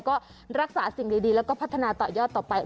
ก็รักษาสิ่งดีแล้วก็พัฒนาต่อยอดต่อไป